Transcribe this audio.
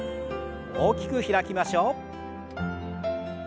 大きく開きましょう。